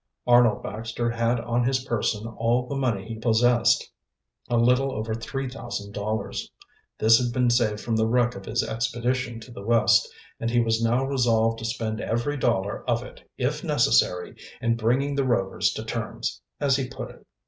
Arnold Baxter had on his person all the money he possessed, a little over three thousand dollars. This had been saved from the wreck of his expedition to the West, and he was now resolved to spend every dollar of it, if necessary, in bringing the Rovers to terms, as he put it.